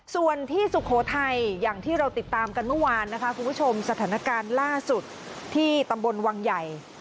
ส่วนที่สุโขทัยอย่างที่เราติดตามกันเมื่อวานนะคะคุณผู้ชมสถานการณ์ล่าสุดที่ตำบลวังใหญ่